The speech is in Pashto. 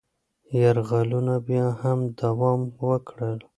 یرغلونه بیا هم دوام وکړل.